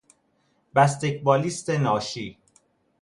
بسکتبالیست ناشی